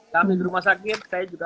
kami di rumah sakit saya juga